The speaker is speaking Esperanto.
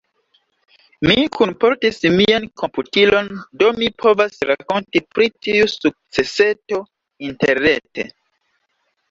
Mi kunportis mian komputilon, do mi povas rakonti pri tiu sukceseto interrete.